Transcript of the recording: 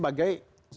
yang menarik justru ya